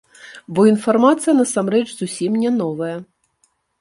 Бо інфармацыя насамрэч зусім не новая.